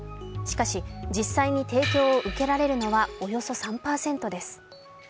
しかし、実際に提供を受けられるのはおよそ３％です。